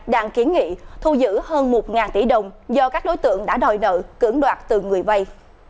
đang kiến nghị thu giữ hơn một tỷ đồng do các đối tượng đã đòi nợ cưỡng đoạt từ người vay